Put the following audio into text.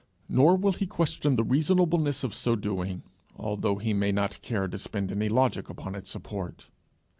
Nor will he question the reasonableness of so doing, although he may not care to spend any logic upon its support.